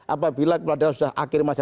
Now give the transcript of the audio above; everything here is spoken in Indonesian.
apabila kepala daerah sudah akhir masa jadinya